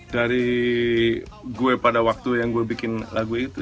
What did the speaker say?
dari gue pada waktu yang gue bikin lagu itu